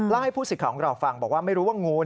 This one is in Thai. ให้ผู้สิทธิ์ของเราฟังบอกว่าไม่รู้ว่างู